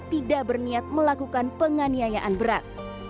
tidak berniat melakukan penganiayaan berat